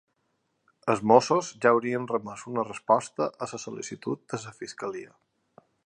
Els mossos ja haurien remès una resposta a la sol·licitud de la fiscalia.